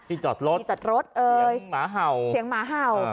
ที่จอดรถเสียงหมาเห่า